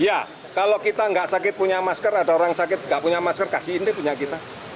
ya kalau kita nggak sakit punya masker ada orang sakit nggak punya masker kasihin dia punya kita